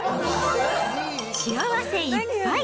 幸せいっぱい！